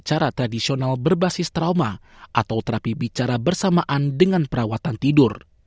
secara tradisional berbasis trauma atau terapi bicara bersamaan dengan perawatan tidur